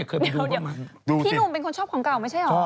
เดี๋ยวพี่หนุ่มเป็นคนชอบของเก่าไม่ใช่เหรอ